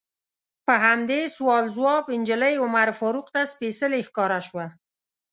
په همدې سوال ځواب نجلۍ عمر فاروق ته سپیڅلې ښکاره شوه.